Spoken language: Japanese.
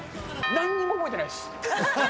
なんにも覚えてないです。